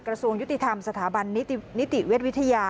กระทรวงยุติธรรมสถาบันนิติเวชวิทยา